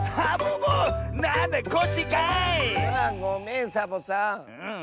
あごめんサボさん。